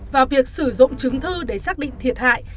và việc sử dụng chứng thư để xác định thiệt hại